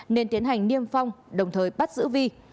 nên tiến hành niêm phong đồng thời bắt giữ vi